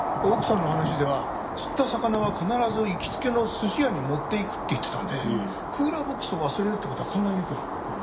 奥さんの話では釣った魚は必ず行きつけの寿司屋に持っていくって言ってたのでクーラーボックスを忘れるって事は考えにくい。